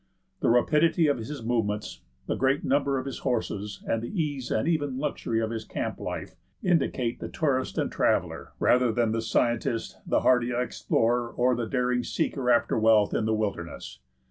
The rapidity of his movements, the great number of his horses, and the ease and even luxury of his camp life indicate the tourist and traveller, rather than the scientist, the hardy explorer, or the daring seeker after wealth in the wilderness.